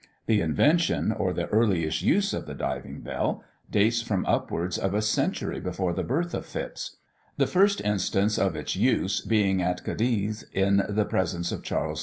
The invention, or the earliest use of the diving bell, dates from upwards of a century before the birth of Phipps; the first instance of its use being at Cadiz, in the presence of Charles V.